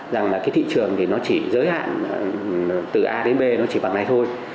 rằng là cái thị trường thì nó chỉ giới hạn từ a đến b nó chỉ bằng nay thôi